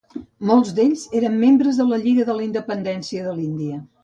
Molts d'ells eren membres de la Lliga de la Independència de l'Índia.